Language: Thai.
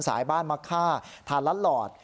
สายบ้านมะค่าถ่านละหลอด